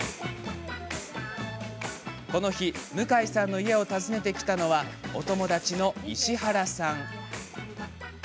この日、向井さんの家を訪ねてきたのはお友達の石原さん。